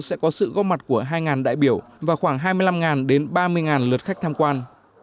sẽ có sự góp mặt của hai đại biểu và khoảng hai mươi năm đến ba mươi lượt khách tham quan